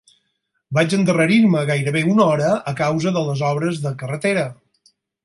Vaig endarrerir-me gairebé una hora a causa de les obres de carretera